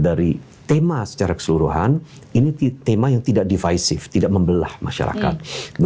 dari tema secara keseluruhan ini tema yang tidak defisif tidak membelah masyarakat